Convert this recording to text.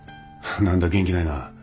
何だ元気ないな。